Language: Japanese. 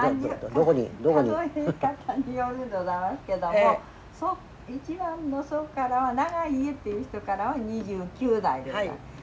数え方によるんでございますけども一番の祖からは長家っていう人からは２９代でございます。